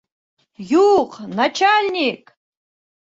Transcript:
Юҡ, начальник!